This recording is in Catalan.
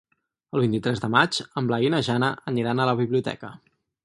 El vint-i-tres de maig en Blai i na Jana aniran a la biblioteca.